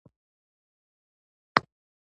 اوړه د هر چای سره نان ورکوي